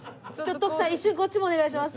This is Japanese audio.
徳さん一瞬こっちもお願いします。